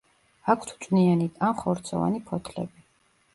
აქვთ წვნიანი ან ხორცოვანი ფოთლები.